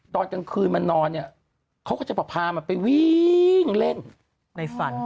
ตอนกลางคืนมันนอนเนี่ยเขาก็จะพามันไปวิ่งเล่นในฝัน